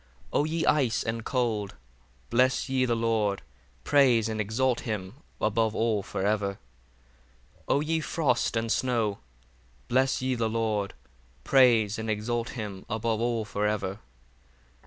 49 O ye ice and cold, bless ye the Lord: praise and exalt him above all for ever. 50 O ye frost and snow, bless ye the Lord: praise and exalt him above all for ever.